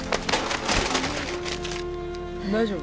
大丈夫？